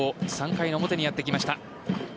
３回の表にやってきました。